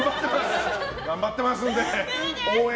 頑張ってますので応援